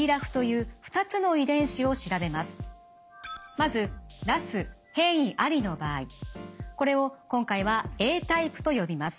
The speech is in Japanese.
まずＲＡＳ変異ありの場合これを今回はＡタイプと呼びます。